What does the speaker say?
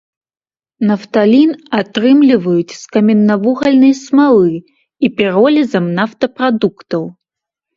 Нафталін атрымліваюць з каменнавугальнай смалы і піролізам нафтапрадуктаў.